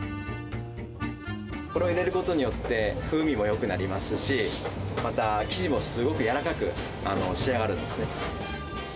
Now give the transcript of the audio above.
これを入れることによって、風味もよくなりますし、また生地もすごく柔らかく仕上がるんですね。